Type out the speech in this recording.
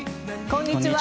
こんにちは。